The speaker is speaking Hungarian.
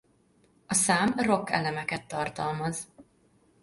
A szám rock elemeket tartalmaz.